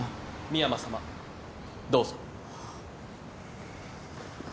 深山さまどうぞ。